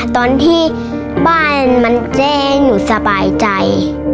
ตอนที่บ้านมันแจ้งให้หนูสบายใจ